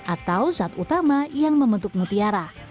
atau zat utama yang membentuk mutiara